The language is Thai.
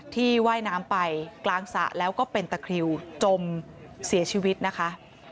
ว่ายน้ำไปกลางสระแล้วก็เป็นตะคริวจมเสียชีวิตนะคะ